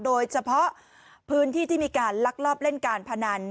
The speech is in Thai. โดยเฉพาะพื้นที่ที่มีการลักลอบเล่นการพนัน